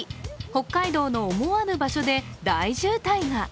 北海道の思わぬ場所で大渋滞が。